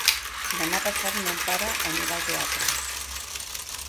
Demà passat mon pare anirà al teatre.